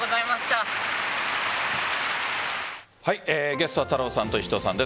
ゲストは太郎さんと石戸さんです。